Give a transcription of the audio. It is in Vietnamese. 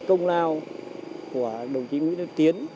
công lao của đồng chí nguyễn hữu tiến